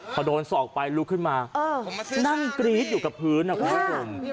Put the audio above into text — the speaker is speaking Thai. พอโดนศอกไปลุกขึ้นมานั่งกรี๊ดอยู่กับพื้นนะคุณผู้ชม